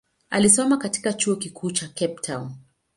Alisoma katika chuo kikuu cha Cape Town.